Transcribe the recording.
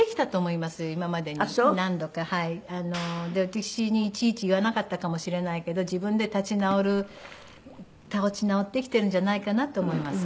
私にいちいち言わなかったかもしれないけど自分で立ち直る立ち直ってきてるんじゃないかなと思います。